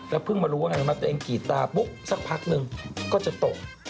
แล้วเพิ่งมารู้ว่ามาเต้นกีฟตาปุ๊บสักพักหนึ่งก็จะตก